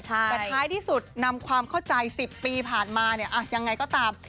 แต่ท้ายที่สุดนำความเข้าใจ๑๐ปีผ่านมาเนี่ยยังไงก็ตาม